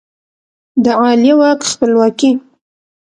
د عالیه واک خپلواکي